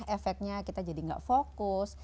efeknya kita jadi nggak fokus